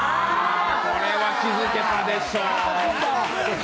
これは気付けたでしょう？